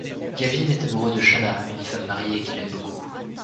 Gavin est amoureux de Shana, une femme mariée qui l'aime beaucoup.